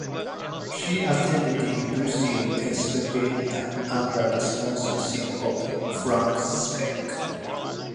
She attended the University of Pennsylvania under the sponsorship of Frank Speck.